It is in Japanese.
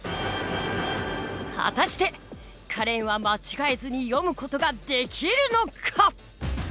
果たしてカレンは間違えずに読む事ができるのか？